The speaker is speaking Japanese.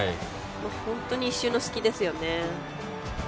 本当、一瞬の隙ですよね。